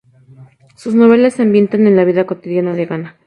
Sus novelas se ambientan en la vida cotidiana de Ghana.